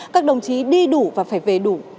các đồng chí đi đủ và phải về đủ